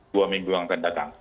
dua minggu akan datang